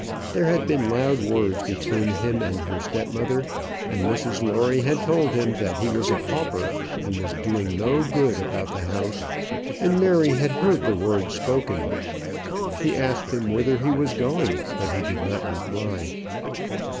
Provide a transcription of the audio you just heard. There had been loud words between him and her step mother, and Mrs Lawrie had told him that he was a pauper, and was doing no good about the house; and Mary had heard the words spoken. She asked him whither he was going, but he did not reply.